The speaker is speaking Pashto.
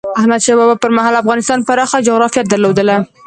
احمد شاه بابا پر مهال افغانستان پراخه جغرافیه درلوده.